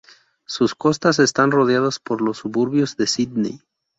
Sus costas están rodeadas por los suburbios de Sídney.